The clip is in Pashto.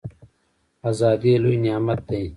ازادي لوی نعمت دی